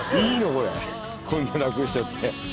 これこんな楽しちゃって。